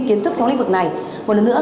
kiến thức trong lĩnh vực này một lần nữa